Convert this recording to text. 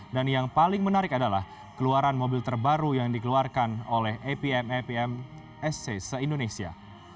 dan yang paling menarik adalah keluaran mobil terbaru yang dikeluarkan oleh apm apm sc se indonesia